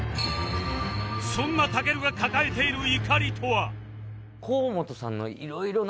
そんなたけるが抱えている怒りとは？